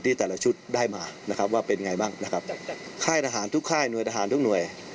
ที่แต่ละชุดได้มาว่าเป็นไงบ้างค่ายทหารทุกค่ายนวยทหารทุกหน่วย